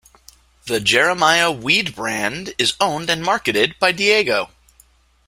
The Jeremiah Weed brand is owned and marketed by Diageo.